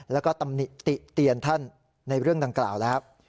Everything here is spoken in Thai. แล้วก็ตำหนิติเตียนท่านในเรื่องดังกล่าวแล้ว